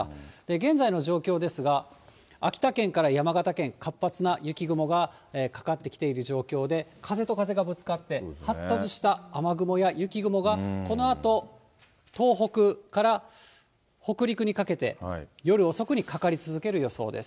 現在の状況ですが、秋田県から山形県、活発な雪雲がかかってきている状況で、風と風がぶつかって、発達した雨雲や雪雲が、このあと東北から北陸にかけて、夜遅くにかかり続ける予想です。